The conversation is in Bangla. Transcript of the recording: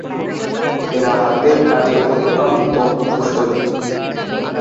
এরা হাতের কাজে অত্যন্ত কুশলী।